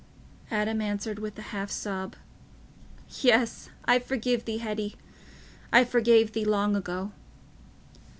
Adam answered with a half sob, "Yes, I forgive thee Hetty. I forgave thee long ago."